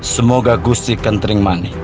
semoga gusti kentering manik